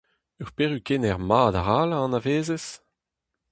Ur perukenner mat all a anavezez ?